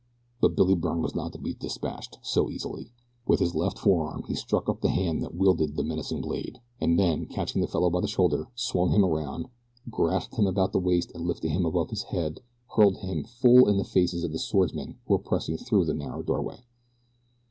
But Billy Byrne was not to be dispatched so easily. With his left forearm he struck up the hand that wielded the menacing blade, and then catching the fellow by the shoulder swung him around, grasped him about the waist and lifting him above his head hurled him full in the faces of the swordsmen who were pressing through the narrow doorway.